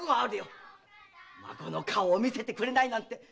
孫の顔を見せてくれないなんて